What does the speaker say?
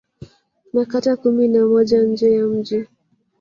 Na kata kumi na moja nje ya mji